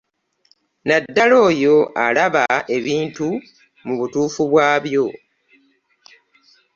Naddala oyo alaba ebintu mu butuufu bwabyo